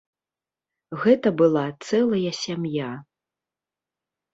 Гэта была цэлая сям'я.